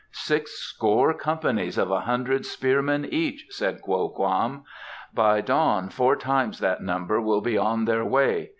"Sixscore companies of a hundred spearmen each," said Kwo Kam. "By dawn four times that number will be on their way.